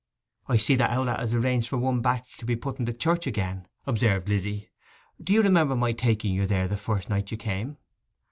'I see that Owlett has arranged for one batch to be put in the church again,' observed Lizzy. 'Do you remember my taking you there the first night you came?